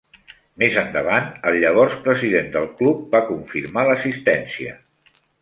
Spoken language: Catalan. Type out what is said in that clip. Més endavant el llavors president del club va confirmar l'assistència.